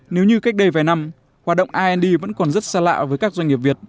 nếu như cách đây vài năm hoạt động ind vẫn còn rất xa lạ với các doanh nghiệp việt